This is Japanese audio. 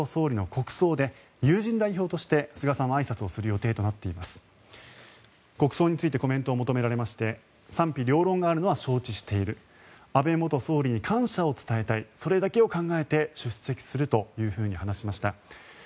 国葬についてコメントを求められまして賛否両論があるのは承知している安倍元総理に感謝を伝えたいそれだけを考えて出席すると話しました。